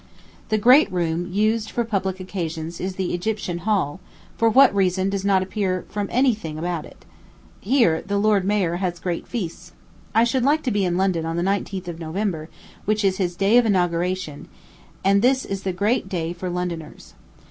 The great room used for public occasions is the Egyptian Hall, for what reason does not appear from any thing about it. Here the lord mayor has his great feasts. I should like to be in London on the 9th of November, which is his day of inauguration; and this is the great day for Londoners.